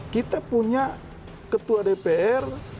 kita punya ketua dpr